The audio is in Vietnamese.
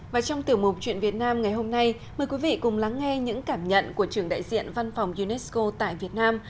và trong tiểu mục chuyện việt nam ngày hôm nay mời quý vị cùng lắng nghe những cảm nhận của trưởng đại diện văn phòng unesco tại việt nam